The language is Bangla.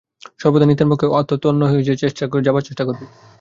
সর্বদা নিত্যপ্রত্যক্ষ আত্মায় তন্ময় হয়ে যাবার চেষ্টা করবি।